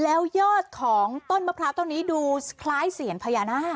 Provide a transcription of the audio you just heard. แล้วยอดของต้นมะพร้าวต้นนี้ดูคล้ายเสียญพญานาค